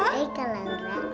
hai kak laura